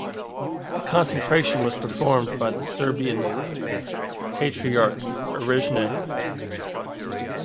The consecration was performed by the Serbian Patriarch Irinej.